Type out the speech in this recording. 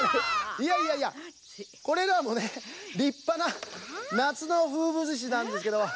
いやいやいやこれらもねりっぱななつのふうぶつしなんですけど。